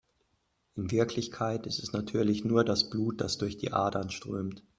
In Wirklichkeit ist es natürlich nur das Blut, das durch die Adern strömt.